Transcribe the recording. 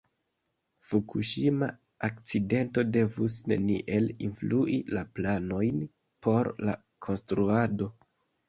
Fukuŝima akcidento devus neniel influi la planojn por la konstruado.